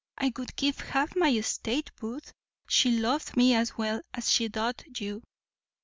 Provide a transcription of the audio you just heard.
I would give half my estate, Booth, she loved me as well as she doth you.